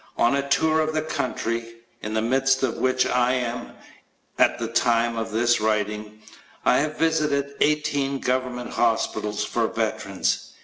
On a tour of the country, in the midst of which I am at the time of this writing, I have visited eighteen government hospitals for veterans.